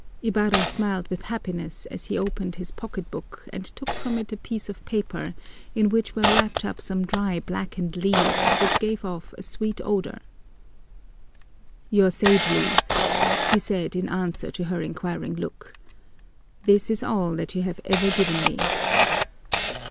Ibarra smiled with happiness as he opened his pocketbook and took from it a piece of paper in which were wrapped some dry, blackened leaves which gave off a sweet odor. "Your sage leaves," he said, in answer to her inquiring look. "This is all that you have ever given me."